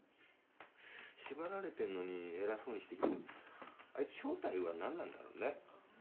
縛られてんのに偉そうにしてるけどあいつ正体はなんなんだろうね？